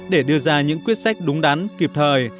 để đưa ra những quyết sách đúng đắn kịp thời